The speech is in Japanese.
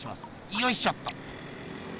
よいしょっと。